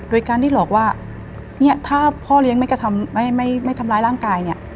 โดยการที่หลอกว่าเนี่ยถ้าพ่อเลี้ยงไม่กระทำไม่ทำร้ายร่างกายเนี่ย